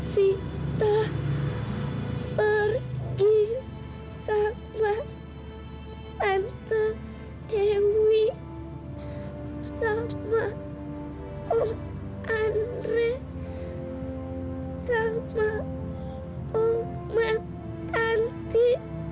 sita pergi sama tante dewi sama om andre sama om mak tanti